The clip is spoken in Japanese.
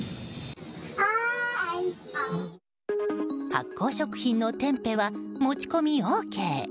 発酵食品のテンペは持ち込みＯＫ。